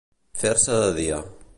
Fer-se de dia.